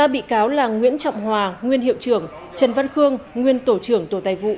ba bị cáo là nguyễn trọng hòa nguyên hiệu trưởng trần văn khương nguyên tổ trưởng tổ tài vụ